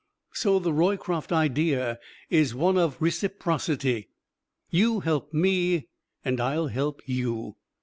So the Roycroft Idea is one of reciprocity you help me and I'll help you.